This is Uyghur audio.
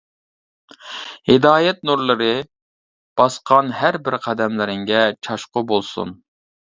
ھىدايەت نۇرلىرى باسقان ھەر بىر قەدەملىرىڭگە چاچقۇ بولسۇن!